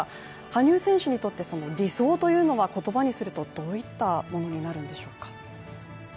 羽生選手にとって理想というのは言葉にするとどういったものになるんでしょうか？